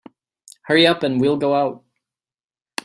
Hurry up and we'll go out.